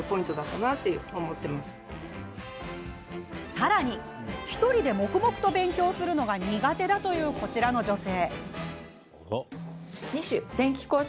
さらに１人で黙々と勉強するのが苦手だというこちらの女性。